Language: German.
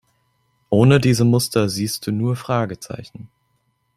Ohne diese Muster siehst du nur Fragezeichen.